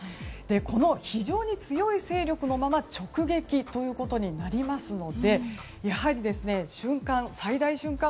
この非常に強い勢力のまま直撃ということになりますので最大瞬間